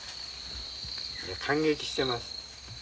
感激してます。